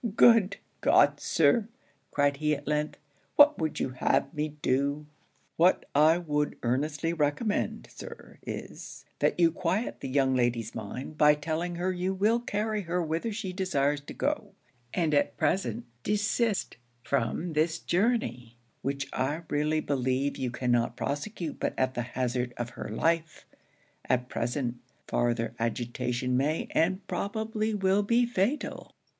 'Good God! Sir,' cried he at length, 'what would you have me do?' 'What I would earnestly recommend, Sir, is, that you quiet the young lady's mind by telling her you will carry her whither she desires to go; and at present desist from this journey, which I really believe you cannot prosecute but at the hazard of her life; at present, farther agitation may, and probably will be fatal.'